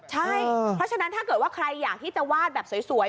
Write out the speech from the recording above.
ใช่เพราะฉะนั้นถ้าเกิดว่าใครอยากที่จะวาดแบบสวย